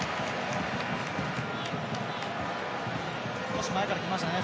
少し前から来ましたね。